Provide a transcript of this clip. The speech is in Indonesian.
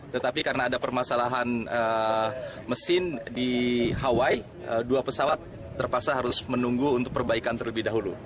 tetapi karena ada permasalahan mesin di hawaii dua pesawat terpaksa harus menunggu untuk perbaikan terlebih dahulu